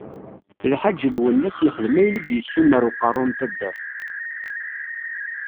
Lḥaǧ Lwennas yexdem ayen i s-d-yumeṛ Uqeṛṛu n taddart.